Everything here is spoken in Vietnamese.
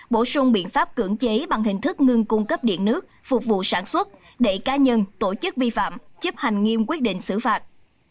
bổ sung biện pháp cưỡng chế bằng hình thức ngừng cung cấp điện nước phục vụ sản xuất đệ cá nhân tổ chức vi phạm chấp hành nghiêm quyết định xử phạt